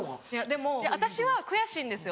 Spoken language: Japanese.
でも私は悔しいんですよ